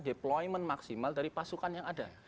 di lakukan deployment maksimal dari pasukan yang ada